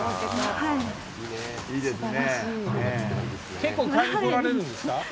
結構買いに来られるんですか？